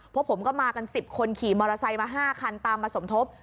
พวกผมก็มากัน๑๐คนขี่มอเตอร์ไซค์มา๕คันตามมาสมทบ